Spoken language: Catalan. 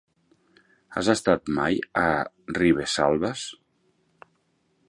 Has estat mai a Ribesalbes?